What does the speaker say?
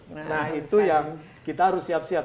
nah itu yang kita harus siap siap